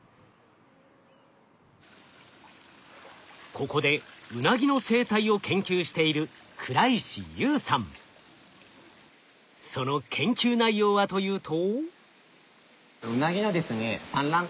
ここでウナギの生態を研究しているその研究内容はというと。